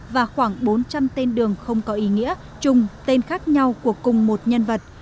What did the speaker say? và khoảng bốn trăm linh tên đường không có ý nghĩa chung tên khác nhau của cùng một nhân vật